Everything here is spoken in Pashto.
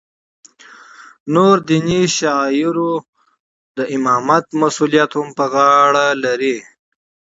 نورو دیني شعایرو د امامت مسولیت هم په غاړه لری.